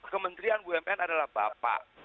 kementrian bumn adalah bapak